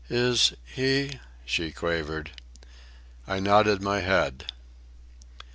"Is—he?" she quavered. I nodded my head.